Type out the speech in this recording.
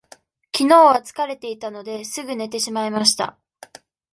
きのうは疲れていたので、すぐ寝てしまいました。